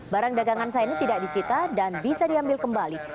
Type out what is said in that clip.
barang dagangan saini tidak disita dan bisa diambil kembali